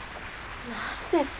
何ですか！？